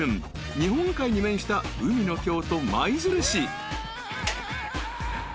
［日本海に面した海の京都］